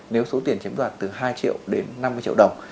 nếu số tiền chiếm đoạt từ hai triệu đến năm mươi triệu đồng